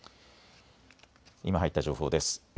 今入った情報です。